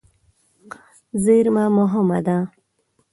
زېرمه مهمه ده.